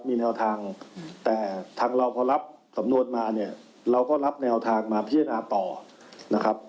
มีแนวทางแต่ทางเราพอรับสำนวนมาเนี่ยเราก็รับแนวทางมาพิจารณาต่อนะครับ